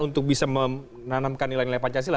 untuk bisa menanamkan nilai nilai pancasila